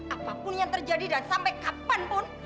apapun yang terjadi dan sampai kapan pun